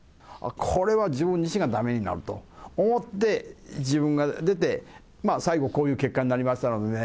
これは自分自身がだめになると思って、自分が出て、まあ最後こういう結果になりましたのでね。